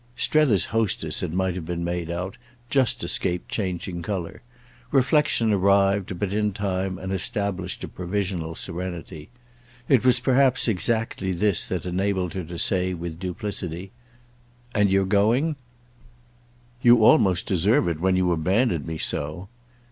'" Strether's hostess, it might have been made out, just escaped changing colour. Reflexion arrived but in time and established a provisional serenity. It was perhaps exactly this that enabled her to say with duplicity: "And you're going—?" "You almost deserve it when you abandon me so."